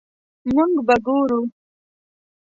مونږ به ګورو